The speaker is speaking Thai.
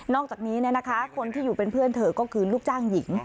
อกจากนี้คนที่อยู่เป็นเพื่อนเธอก็คือลูกจ้างหญิง